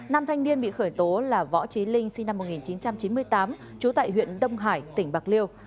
nam thanh niên bị khởi tố là võ trí linh sinh năm một nghìn chín trăm chín mươi tám trú tại huyện đông hải tỉnh bạc liêu